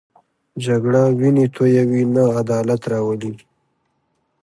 جګړه وینې تویوي، نه عدالت راولي